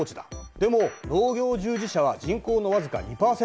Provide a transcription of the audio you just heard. でも農業従事者は人口の僅か２％ほど。